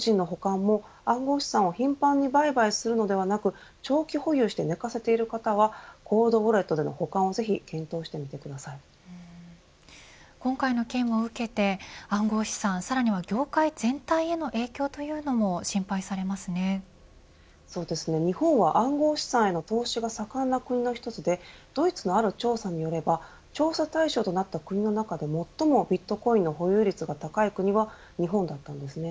個人の暗号資産も頻繁に売買するのではなく長期保有して寝かせている方はコールドウォレットでの保管を今回の件を受けて暗号資産、さらには業界全体への影響というのもそうですね、日本は暗号資産への投資が盛んな国の一つでドイツのある調査によれば調査対象となった国の中で最もビットコインの保有率が高い国は日本だったんです。